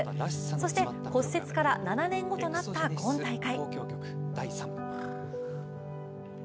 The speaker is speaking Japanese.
そして骨折から７年後となった今大会。